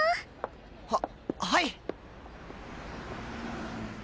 ははい！